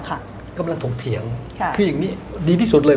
กำลังถกเถียงค่ะคืออย่างนี้ดีที่สุดเลย